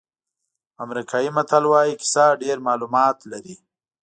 امریکایي متل وایي کیسه ډېر معلومات لري.